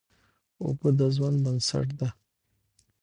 اوبه د ژوند بنسټ دی.